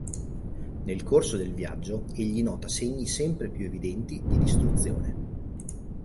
Nel corso del viaggio, egli nota segni sempre più evidenti di distruzione.